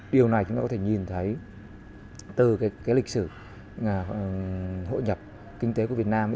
điều này chúng ta có thể nhìn thấy từ cái lịch sử hội nhập kinh tế của việt nam